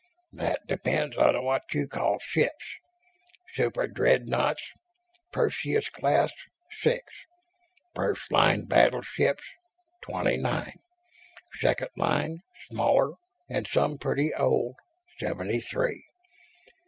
"That depends on what you call ships. Superdreadnoughts, Perseus class, six. First line battleships, twenty nine. Second line, smaller and some pretty old, seventy three.